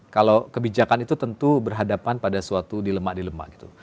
kalau kebijakan itu tentu berhadapan pada suatu dilemak dilemak gitu